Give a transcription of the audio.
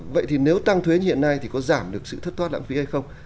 vậy thì nếu tăng thuế hiện nay thì có giảm được sự thất thoát lãng phí hay không